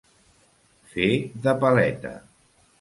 Fer de paleta.